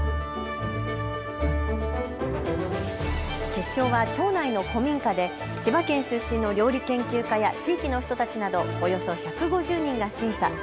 決勝は町内の古民家で千葉県出身の料理研究家や地域の人たちなどおよそ１５０人が審査。